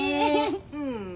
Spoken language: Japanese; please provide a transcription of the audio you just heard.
うん。